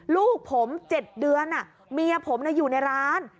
ลูกผม๗เดือนเมียผมอยู่ในร้าน